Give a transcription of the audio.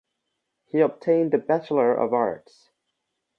He obtained the Bachelor of Arts.